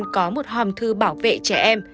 có một hòm thư bảo vệ trẻ em